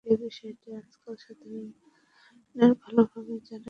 এ বিষয়টি আজকাল সাধারণের ভালভাবেই জানা আছে।